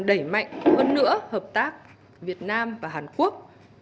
đẩy mạnh hơn nữa hợp tác việt nam và hàn quốc